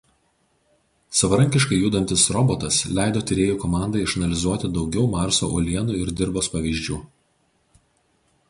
Savarankiškai judantis robotas leido tyrinėtojų komandai išanalizuoti daugiau Marso uolienų ir dirvos pavyzdžių.